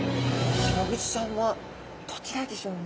シログチちゃんはどちらでしょうね。